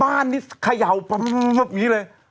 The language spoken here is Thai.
บ้านนี่ขยัวปั๊บแบบนี้เลย